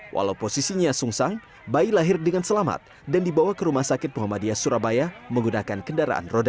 walau posisinya sungsang bayi lahir dengan selamat dan dibawa ke rumah sakit muhammadiyah surabaya menggunakan kendaraan roda